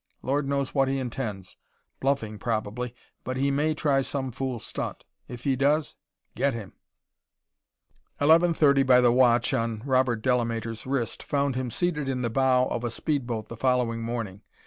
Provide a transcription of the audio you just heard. Lord knows what he intends bluffing probably but he may try some fool stunt. If he does get him!" Eleven thirty by the watch on Robert Delamater's wrist found him seated in the bow of a speed boat the following morning.